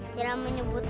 tidak ada yang menyebutkan